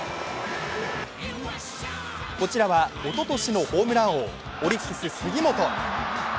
こちらはおととしのホームラン王、オリックス・杉本。